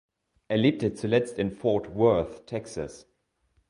Er lebte zuletzt in Fort Worth, Texas.